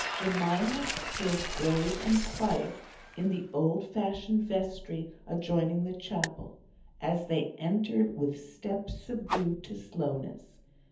Jemima stood grave and quiet in the old fashioned vestry adjoining the chapel, as they entered with steps subdued to slowness.